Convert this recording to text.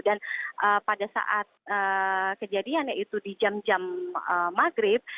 dan pada saat kejadiannya itu di jam jam maghrib